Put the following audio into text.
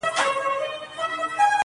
ستاسو خوږو مینوالو سره شریکوم !.